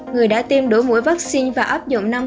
người đã tiêm đủ mũi vaccine và ấp dụng